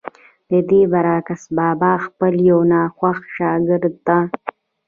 ددې برعکس بابا خپل يو ناخوښه شاګرد ته